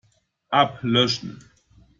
App löschen.